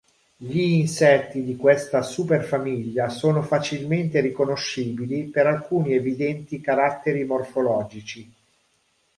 Gli insetti di questa superfamiglia sono facilmente riconoscibili per alcuni evidenti caratteri morfologici.